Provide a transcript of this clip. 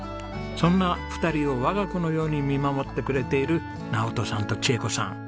そんな二人を我が子のように見守ってくれている直登さんと智恵子さん。